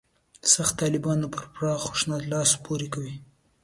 «سخت طالبانو» په پراخ خشونت لاس پورې کوي.